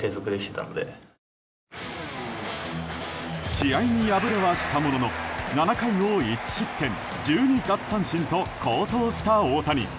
試合に敗れはしたものの７回を１失点１２奪三振と好投した大谷。